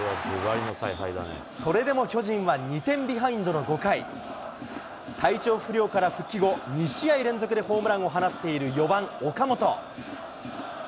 それでも巨人は２点ビハインドの５回、体調不良から復帰後、２試合連続でホームランを放っている４番岡本。